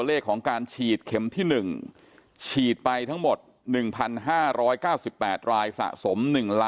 เลขของการฉีดเข็มที่๑ฉีดไปทั้งหมด๑๕๙๘รายสะสม